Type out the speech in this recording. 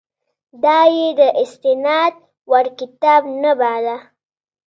دا یې د استناد وړ کتاب نه باله.